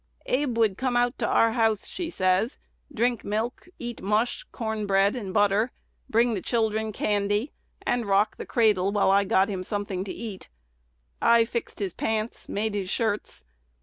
"Abe would come out to our house," she says, "drink milk, eat mush, corn bread, and butter, bring the children candy, and rock the cradle while I got him something to eat.... I foxed his pants; made his shirts...